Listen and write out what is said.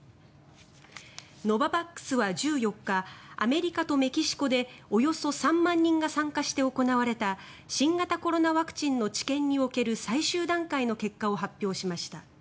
ノババックスは１４日アメリカとメキシコでおよそ３万人が参加して行われた新型コロナワクチンの治験における最終段階の結果を発表しました。